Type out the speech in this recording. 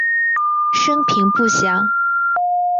生平不详。